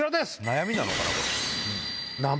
悩みなのかな？